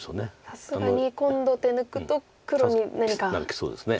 さすがに今度手抜くと黒に何かきそうですか。